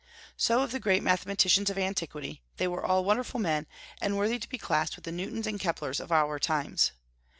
So of the great mathematicians of antiquity; they were all wonderful men, and worthy to be classed with the Newtons and Keplers of our times.